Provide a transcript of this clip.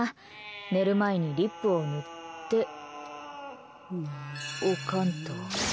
寝る前にリップを塗っておかんと。